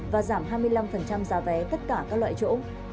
và giảm hai mươi năm giá vé tất cả các loại chỗ